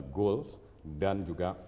goals dan juga